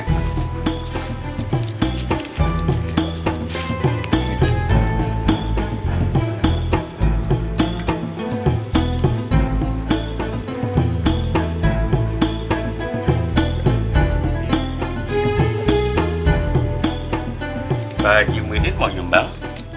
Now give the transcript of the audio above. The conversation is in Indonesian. pak haji muhyiddin mau nyumbang